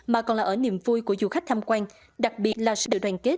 mà còn là ở niềm vui của du khách tham quan